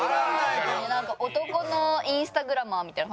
なんか男のインスタグラマーみたいな感じ。